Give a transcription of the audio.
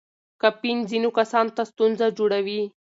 کافین ځینو کسانو ته ستونزه جوړوي.